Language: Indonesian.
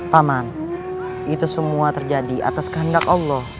paman itu semua terjadi atas kehendak allah